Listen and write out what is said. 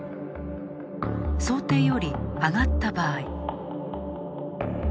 想定より上がった場合。